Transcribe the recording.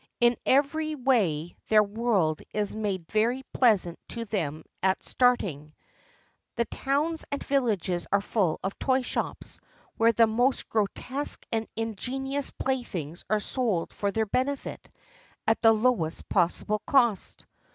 In every way their world is made very pleasant to them at starting. The towns and villages are full of toy shops, where the most grotesque and ingenious playthings are sold for their benefit, at the lowest possible cost.